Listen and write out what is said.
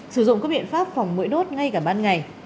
sử dụng các biện pháp phòng mũi đốt ngay cả ban ngày